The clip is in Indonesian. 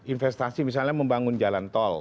investasi misalnya membangun jalan tol